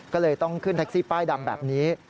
ก็เลยต้องขึ้นแท็กซี่ป้ายดำแบบนี้